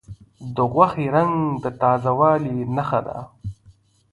د غوښې رنګ د تازه والي نښه ده.